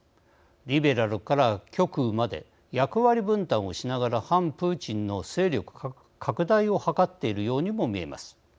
リベラルから極右まで役割分担をしながら反プーチンの勢力拡大を図っているようにも見えます。